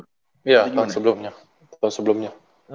tahun sebelumnya tahun sebelumnya